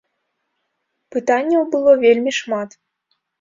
Пытанняў было вельмі шмат.